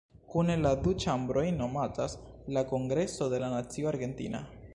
Kune la du ĉambroj nomatas la "Kongreso de la Nacio Argentina".